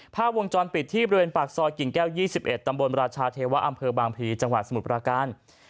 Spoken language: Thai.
ภาพวงจรปิดที่บริเวณปากซอยกิ่งแก้ว๒๑ตำบลราชาเทวะอำเภอบางพลีจังหวัดสมุทรปราการ